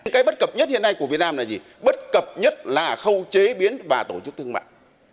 cái bất cập nhất hiện nay của việt nam là gì bất cập nhất là khâu chế biến và tổ chức thương mại